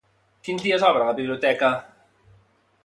Quins dies obre la biblioteca?